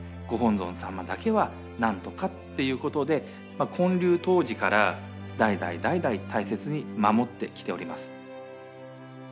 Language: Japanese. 御本尊様だけは何とかっていうことで建立当時から代々代々大切に守ってきております。